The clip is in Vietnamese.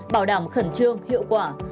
bảo đảm khẩn trương hiệu quả